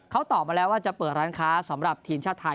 เขาตอบมาแล้วว่าจะเปิดร้านค้าสำหรับทีมชาติไทย